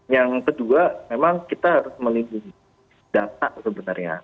yang kedua memang kita harus melindungi data sebenarnya